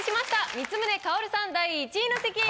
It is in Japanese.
光宗薫さん第１位の席へ。